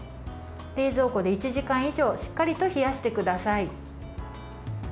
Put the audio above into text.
冷蔵庫で１時間以上しっかりと冷やしてください。